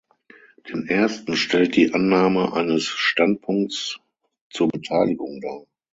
Den ersten stellt die Annahme eines Standpunkts zur Beteiligung dar.